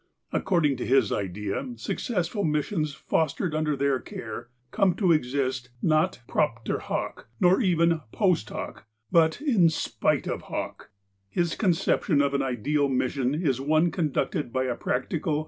According to his idea, successful missions, fostered under their care, come to exist, not ^^ propter hoc,^^ nor even ^^post Jioc,^^ but " in si)ite of /)oc." His conception of an ideal mission is one conducted by a practical.